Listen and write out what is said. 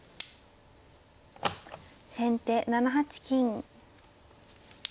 先手７八金。